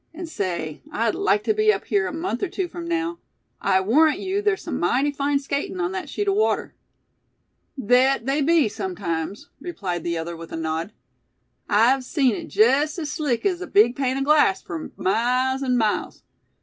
And say, I'd like to be up here a month or two from now. I warrant you there's some mighty fine skating on that sheet of water." "Thet they be, sumtimes," replied the other, with a nod. "I've seen hit jest as slick as a big pane o' glass fur miles an' miles.